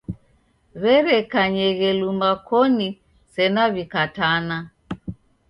W'erekanyeghe luma koni sena w'ikatana.